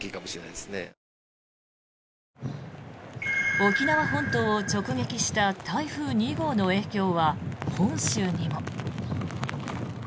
沖縄本島を直撃した台風２号の影響は本州にも。